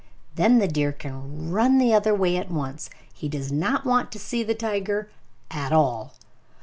Then the deer can run the other way at once. He does not want to see the tiger at all!